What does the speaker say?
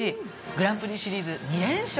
グランプリシリーズ２連勝。